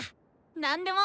何でも！